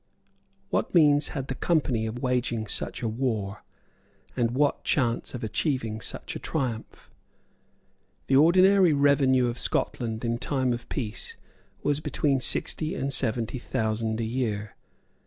What means had the Company of waging such a war, and what chance of achieving such a triumph? The ordinary revenue of Scotland in time of peace was between sixty and seventy thousand a year.